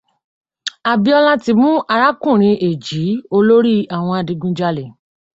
Abíọ́lá ti mú arákùnrin Èjí olórí àwọn adigunjalè.